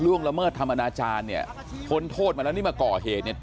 ละเมิดทำอนาจารย์เนี่ยพ้นโทษมาแล้วนี่มาก่อเหตุเนี่ย